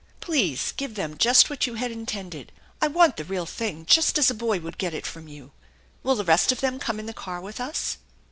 " Please give them just what you had intended. I want *lie real thing, just as a boy would get it from you. Will the rest of them come in the car with us